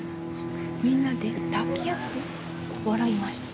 みんなで抱き合って笑いました。